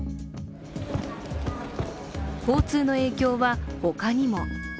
交通の影響は他にも。